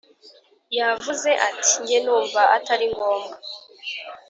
Yavuze ati “jye numva atari ngombwa”